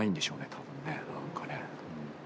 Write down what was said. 多分ね何かね。